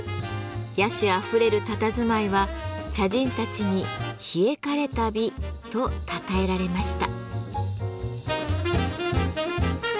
野趣あふれるたたずまいは茶人たちに「冷え枯れた美」とたたえられました。